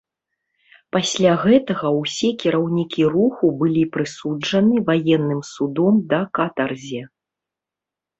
Пасля гэтага ўсе кіраўнікі руху былі прысуджаны ваенным судом да катарзе.